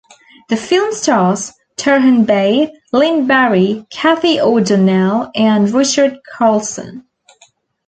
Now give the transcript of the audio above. The film stars Turhan Bey, Lynn Bari, Cathy O'Donnell, and Richard Carlson.